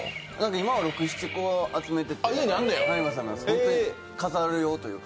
今は６７個集めてて、飾る用というか。